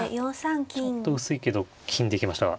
ちょっと薄いけど金で行きました。